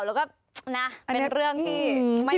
แล้วน้กมันเป็นเรื่องนี้